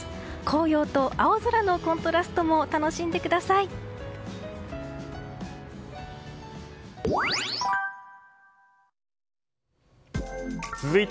紅葉と青空のコントラストも楽しんでください。